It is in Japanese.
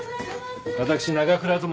私長倉と。